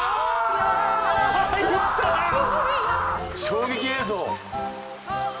衝撃映像。